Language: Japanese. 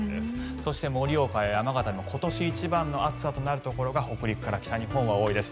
そして盛岡や山形も今年一番となるところが北陸から北日本は多いです。